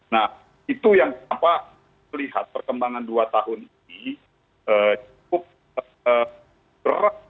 nah itu yang apa kita lihat perkembangan dua tahun ini cukup berat